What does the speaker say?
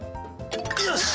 よし！